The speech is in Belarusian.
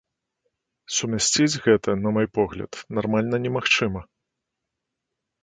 Сумясціць гэта, на мой погляд, нармальна немагчыма.